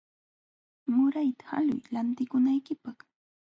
Murayta haluy lantikunaykipaq.